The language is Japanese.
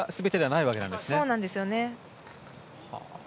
そうなんですよね。